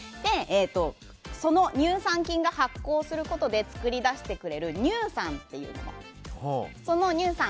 その乳酸菌が発酵することで作り出してくれる乳酸っていうもの。